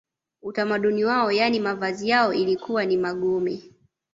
Utamaduni wao yaani mavazi yao ilikuwa ni magome